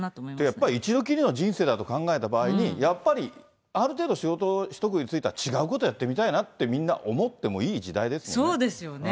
やっぱり一度きりの人生だと考えた場合に、やっぱりある程度、仕事一区切りついたら、違うことやってみたいなってみんな思ってそうですよね。